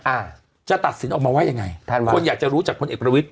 อ่าจะตัดสินออกมาว่ายังไงท่านว่าคนอยากจะรู้จากพลเอกประวิทย